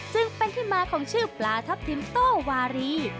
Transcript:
จึงเป็นที่มาของชื่อปลาทัพทิมโต้วารี